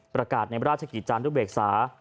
ประกาศในราชกิจจานุเบกษา